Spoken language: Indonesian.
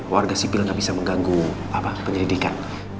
warga sipil gak bisa mengganggu apa penyelidikan